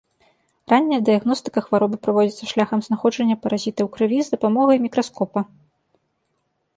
Ранняя дыягностыка хваробы праводзіцца шляхам знаходжання паразіта ў крыві з дапамогай мікраскопа.